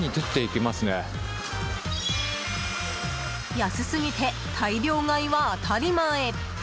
安すぎて大量買いは当たり前。